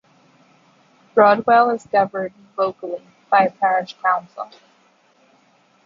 Broadwell is governed locally by a parish council.